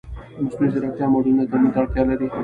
د مصنوعي ځیرکتیا موډلونه تمرین ته اړتیا لري.